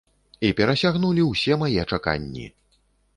І перасягнулі ўсе мае чаканні!